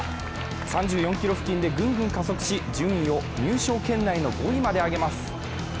３４ｋｍ付近でぐんぐん加速し、順位を入賞圏内の５位まで上げます。